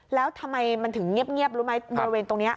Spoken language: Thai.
แล้วทำไมมันถึงเงียบรู้ไหมบริเวณตรงนี้